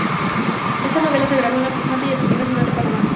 Esta novela se grabó en la pujante y atractiva ciudad de Panamá.